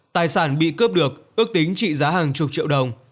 tài sản bị cướp được ước tính trị giá hàng chục triệu đồng